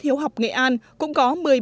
hiếu học nghệ an cũng có một mươi ba